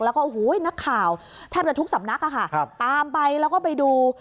แล้วก็โอ้โหนักข่าวแทบจะทุกสำนักค่ะตามไปแล้วก็ไปดู